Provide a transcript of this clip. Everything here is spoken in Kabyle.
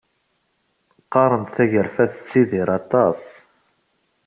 Qqaren-d tagarfa tettidir aṭas.